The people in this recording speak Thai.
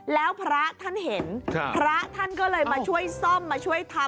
แล้วพระท่านเห็นพระท่านก็เลยมาช่วยซ่อมมาช่วยทำ